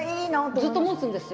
ずっと、もつんですよ